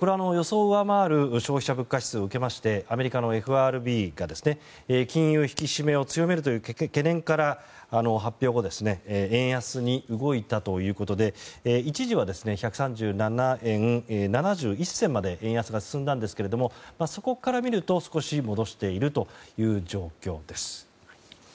これは予想を上回る消費者物価指数を受けましてアメリカのＦＲＢが金融引き締めを強めるという懸念から発表後円安に動いたということで一時は１３７円７１銭まで円安が進んだんですがそこから見ると少し戻している状況です。